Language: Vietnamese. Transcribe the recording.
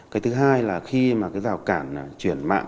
cái thứ hai là khi mà cái rào cản chuyển mạng